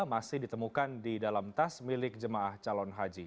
masih ditemukan di dalam tas milik jemaah calon haji